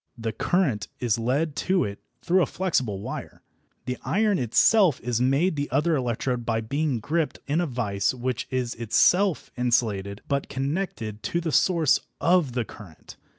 The current is led to it through a flexible wire. The iron itself is made the other electrode by being gripped in a vice which is itself insulated but connected to the source of current.